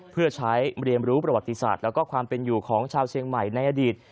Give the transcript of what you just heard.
เพื่อใช้เรียนรู้ประวัติศาสตร์และความเป็นอยู่ของชาวเชียงใหม่ในอดีต